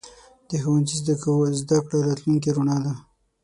د ښوونځي زده کړه راتلونکې رڼا ده.